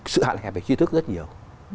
sự hạn hẹp về trí thức rất nhiều